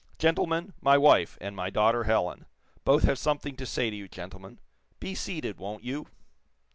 "Gentlemen, my wife, and my daughter, Helen. Both have something to say to you, gentlemen. Be seated, won't you?"